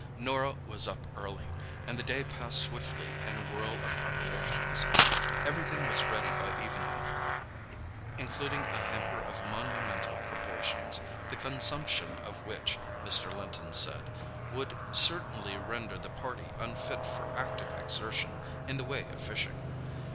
Norah was up early, and the day passed swiftly in a whirl of preparations. Everything was ready by evening, including a hamper of monumental proportions, the consumption of which, Mr. Linton said, would certainly render the party unfit for active exertion in the way of fishing.